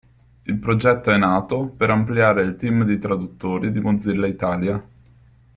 Il progetto è nato per ampliare il team di traduttori di Mozilla Italia.